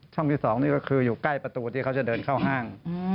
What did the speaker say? ที่๒นี่ก็คืออยู่ใกล้ประตูที่เขาจะเดินเข้าห้าง